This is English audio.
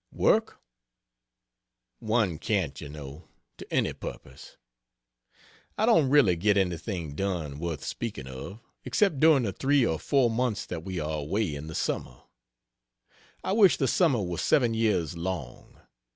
Work? one can't you know, to any purpose. I don't really get anything done worth speaking of, except during the three or four months that we are away in the Summer. I wish the Summer were seven years long.